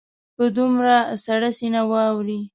په دومره سړه سینه واوري.